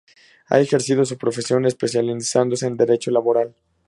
Ha ejercido su profesión especializándose en derecho laboral.